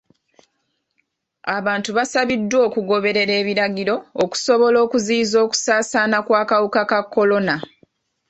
Abantu basabiddwa okugoberera ebiragiro okusobola okuziyiza okusaasaana kw'akawuka ka kolona.